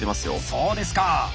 そうですか。